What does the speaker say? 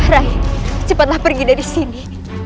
rai cepatlah pergi dari sini